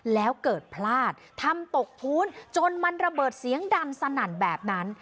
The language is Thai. แล้วเกิดพลาดทำตกพื้นจนมันระเบิดเสียงดังสนั่นแบบนั้น